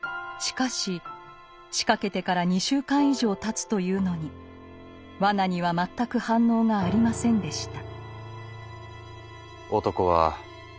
しかし仕掛けてから２週間以上たつというのに罠には全く反応がありませんでした。